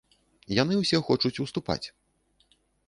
Яны ўсе хочуць уступаць.